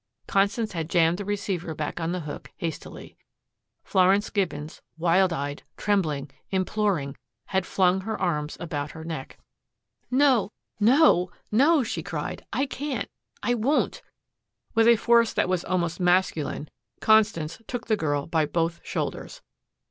Constance had jammed the receiver back on the hook hastily. Florence Gibbons, wild eyed, trembling, imploring, had flung her arms about her neck. "No no no," she cried. "I can't. I won't." With a force that was almost masculine, Constance took the girl by both shoulders.